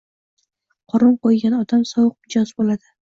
Qorin qo‘ygan odam sovuq mijoz bo‘ladi.